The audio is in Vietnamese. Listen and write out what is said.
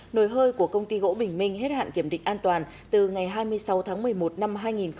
nồi hơi của công ty gỗ bình minh hết hạn kiểm định an toàn từ ngày hai mươi sáu tháng một mươi một năm hai nghìn một mươi chín